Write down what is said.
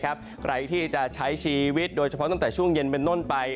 ใครที่จะใช้ชีวิตโดยเฉพาะตั้งแต่ช่วงเย็นเป็นต้นไป